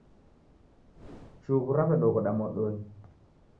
Chughu raw'edoghoda modonyi.